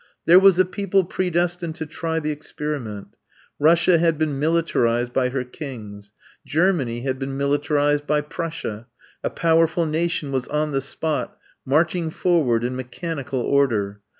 There was a people predestined to try the experiment. Prussia had been militarized by her kings; Germany had been militarized by Prussia; a powerful nation was on the spot marching forward in mechanical order.